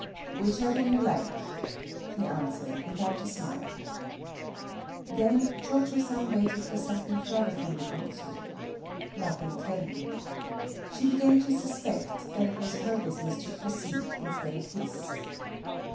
"Whichever you like," he answered, without a smile. Then Cho Cho San waited for something further from the consul. Nothing came. She began to suspect that it was her busi ness to proceed instead of his.